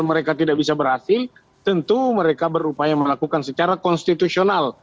mereka tidak bisa berhasil tentu mereka berupaya melakukan secara konstitusional